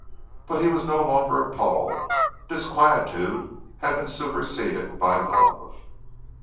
But he was no longer appalled; disquietude had been superseded by love.